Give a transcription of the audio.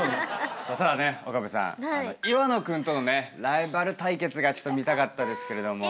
ただね岡部さん岩野君とのねライバル対決が見たかったですけれども。